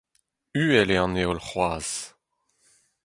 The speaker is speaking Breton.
Uhel eo an heol c'hoazh.